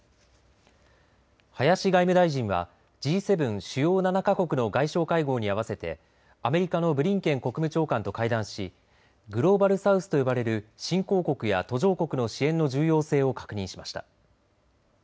林外務大臣はＧ７主要７か国の外相会合に合わせてアメリカのブリンケン国務長官と会談しグローバル・サウスと呼ばれる新興国や途上国の支援の重要性を確認しました。